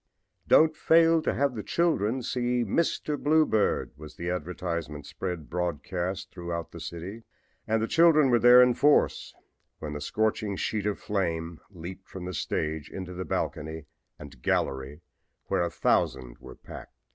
"Don't fail to have the children see 'Mr. Bluebeard,'" was the advertisement spread broadcast throughout the city, and the children were there in force when the scorching sheet of flame leaped from the stage into the balcony and gallery where a thousand were packed.